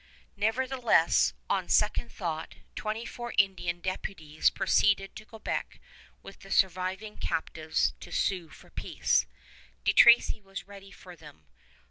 Nevertheless, on second thought, twenty four Indian deputies proceeded to Quebec with the surviving captives to sue for peace. De Tracy was ready for them.